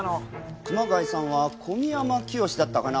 熊谷さんは小宮山潔だったかな？